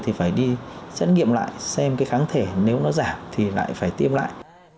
thì phải đi xét nghiệm lại xem cái kháng thể nếu nó giảm thì lại phải tiêm lại